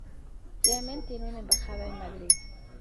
Yemen tiene una embajada en Madrid.